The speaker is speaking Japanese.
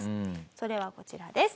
それはこちらです。